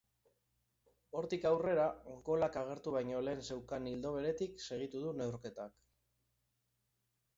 Hortik aurrera, golak agertu baino lehen zeukan ildo beretik segitu du neurketak.